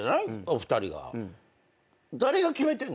お二人が。